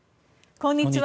こんにちは。